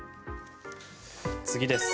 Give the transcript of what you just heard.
次です。